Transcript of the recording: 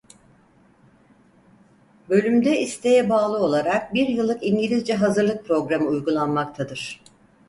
Bölümde isteğe bağlı olarak bir yıllık İngilizce hazırlık programı uygulanmaktadır.